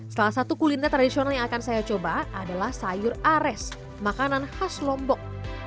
salah satu kuliner tradisional yang akan saya coba adalah sayur ares makanan khas lombok